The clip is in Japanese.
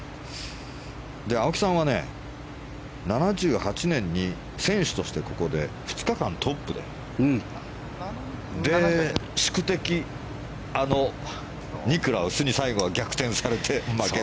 青木さんは７８年に選手としてここで２日間トップで宿敵、あのニクラウスに最後は逆転されて。